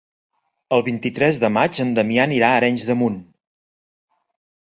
El vint-i-tres de maig en Damià anirà a Arenys de Munt.